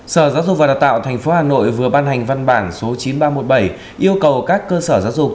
sở giáo dục và đào tạo tp hà nội vừa ban hành văn bản số chín nghìn ba trăm một mươi bảy yêu cầu các cơ sở giáo dục